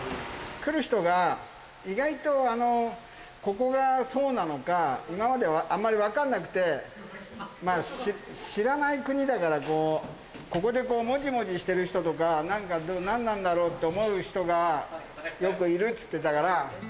来る人が、意外とここがそうなのか、今まであんまり分からなくて、知らない国だから、ここでもじもじしてる人とか、なんか、何なんだろうと思う人がよくいるって言ってたから。